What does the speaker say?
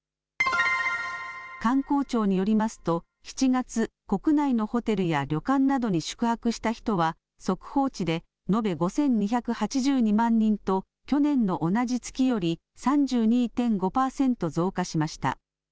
観光庁によりますと、７月国内のホテルや旅館などに宿泊した人は速報値で延べ５２８２万人と去年の同じ月より３２．５パーセント増加しました。